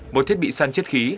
một thiết bị săn chất khí